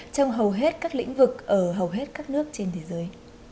trong hầu hết các lĩnh vực ở hầu hết các nước trên thế giới